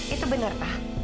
itu bener pak